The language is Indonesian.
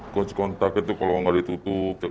kunci kontak itu kalau tidak ditutup